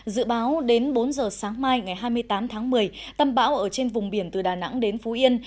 dự báo đến bốn giờ sáng mai ngày hai mươi tám tháng một mươi tâm bão ở trên vùng biển từ đà nẵng đến phú yên